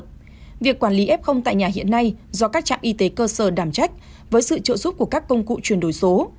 vì vậy việc quản lý f tại nhà hiện nay do các trạm y tế cơ sở đảm trách với sự trợ giúp của các công cụ chuyển đổi số